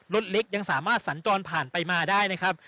รถเล็กยังสามารถสัญจรผ่านไปมาได้นะครับ